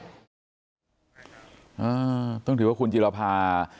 ต้องถือว่าคุณจิรภา